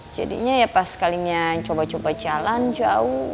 jadinya ya pas sekalinya coba coba jalan jauh